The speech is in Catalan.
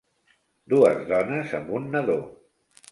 Dues dones amb un nadó